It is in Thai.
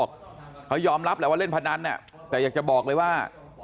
เขายอมรับแหละว่าเล่นพนันแต่อยากจะบอกเลยว่า